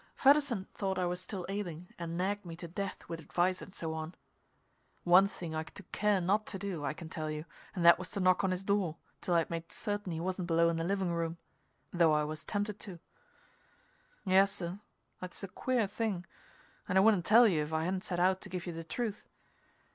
Fedderson thought I was still ailing and nagged me to death with advice and so on. One thing I took care not to do, I can tell you, and that was to knock on his door till I'd made certain he wasn't below in the living room though I was tempted to. Yes, sir; that's a queer thing, and I wouldn't tell you if I hadn't set out to give you the truth.